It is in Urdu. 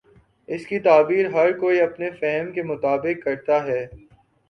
اس کی تعبیر ہر کوئی اپنے فہم کے مطابق کر تا ہے۔